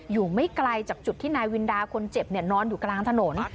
อยู่ไม่ไกลจากจุดที่นายวินดาคนเจ็บนอนอยู่กลางถนน